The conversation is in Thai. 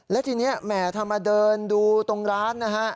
และทีนี้แหมถ้ามาเดินดูตรงร้านนะฮะ